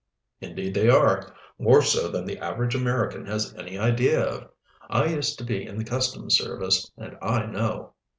"Indeed they are, more so than the average American has any idea of. I used to be in the customs service, and I know."